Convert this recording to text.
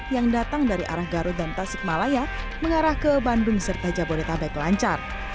yang datang dari arah garut dan tasik malaya mengarah ke bandung serta jabodetabek lancar